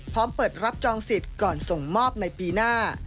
พร้อมเปิดรับจองสิทธิ์ก่อนส่งมอบในปีหน้า